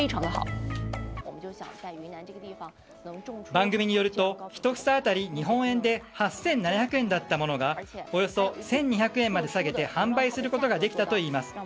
番組によると１房当たり日本円で８７００円だったものがおよそ１２００円まで下げて販売することができたといいます。